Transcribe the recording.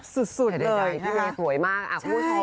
แซ่บสุดเลยค่ะ